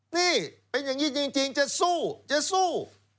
นี่เป็นอย่างนี้จริงจะสู้จะสู้